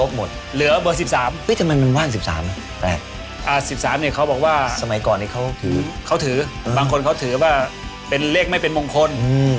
เหลือเบอร์๑๓บอกว่าบางคนเขาถือว่าเป็นเลขไม่เป็นมงคล